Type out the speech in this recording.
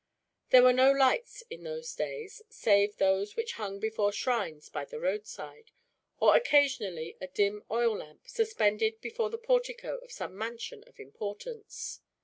There were no lights, in those days, save those which hung before shrines by the roadside; or occasionally a dim oil lamp, suspended before the portico of some mansion of importance.